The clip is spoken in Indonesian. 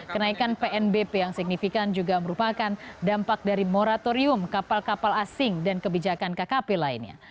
kenaikan pnbp yang signifikan juga merupakan dampak dari moratorium kapal kapal asing dan kebijakan kkp lainnya